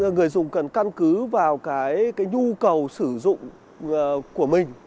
người dùng cần căn cứ vào cái nhu cầu sử dụng của mình